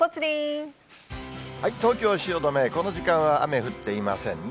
東京・汐留、この時間は雨降っていませんね。